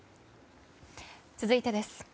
続いてです。